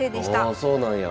ああそうなんや。